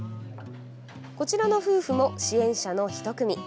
こちらの夫婦も支援者のひと組。